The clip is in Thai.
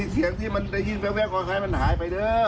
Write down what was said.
เสียงที่มันได้ยินแววกว่าใครมันหายไป